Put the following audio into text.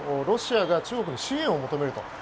ロシアが中国に支援を求めると。